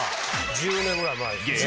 １０年ぐらい前ですね。